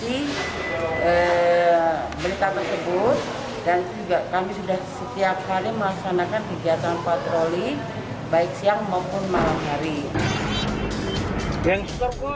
dan juga kami sudah setiap kali melaksanakan kegiatan patroli baik siang maupun malam hari